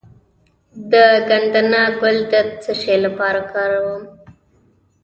د ګندنه ګل د څه لپاره وکاروم؟